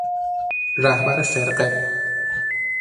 رهبر فرقه